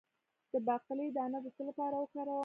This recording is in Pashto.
د باقلي دانه د څه لپاره وکاروم؟